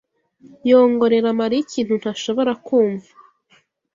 yongorera Mariya ikintu ntashobora kumva.